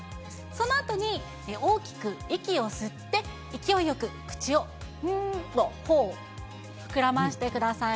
そのあとに大きく息を吸って、勢いよく口をぷーとほおを膨らませてください。